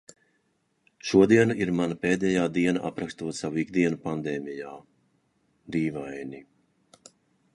Šodiena ir mana pēdējā diena aprakstot savu ikdienu pandēmijā... dīvaini.